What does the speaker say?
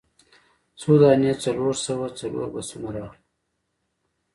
څو دانې څلور سوه څلور بسونه راغلل.